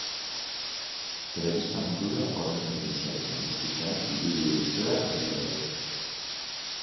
Telebista mundura orain egin du salto musikan ibilbide luzea egina badu ere.